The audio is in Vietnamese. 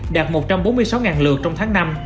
đạt một trăm bốn mươi sáu lượt trong tháng năm